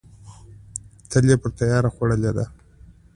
تل یې په تیار خوړلې ده.